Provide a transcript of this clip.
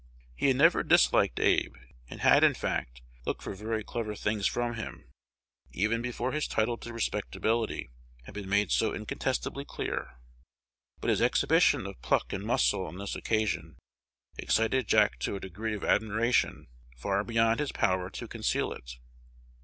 He had never disliked Abe, and had, in fact, looked for very clever things from him, even before his title to respectability had been made so incontestably clear; but his exhibition of pluck and muscle on this occasion excited Jack to a degree of admiration far beyond his power to conceal it.